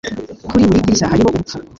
Kuri buri dirishya hariho urupfu